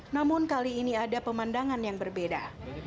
namun kali ini ada pemandangan yang berbeda